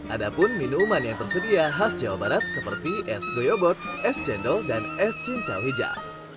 ada pun minuman yang tersedia khas jawa barat seperti es goyobot es cendol dan es cincau hijau